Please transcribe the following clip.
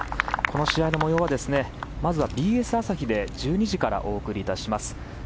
この試合の模様はＢＳ朝日で１２時からお送りいたします。